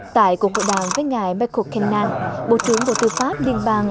tại cuộc hội đoàn với ngài michael kennan bộ trưởng bộ tư pháp điên bang